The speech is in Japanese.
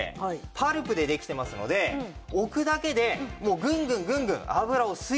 パルプでできてますので置くだけでぐんぐんぐんぐん油を吸い取ってくれますね。